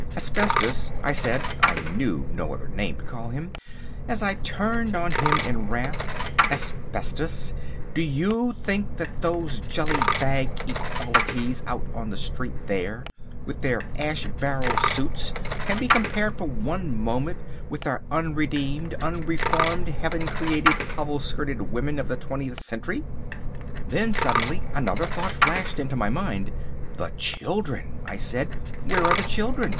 "Asbestos," I said (I knew no other name to call him), as I turned on him in wrath, "Asbestos, do you think that those jelly bag Equalities out on the street there, with their ash barrel suits, can be compared for one moment with our unredeemed, unreformed, heaven created, hobble skirted women of the twentieth century?" Then, suddenly, another thought flashed into my mind— "The children," I said, "where are the children?